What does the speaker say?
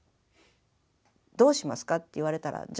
どうしますかって言われたらじゃあ